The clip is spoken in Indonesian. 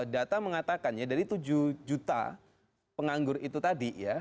data mengatakannya dari tujuh juta penganggur itu tadi ya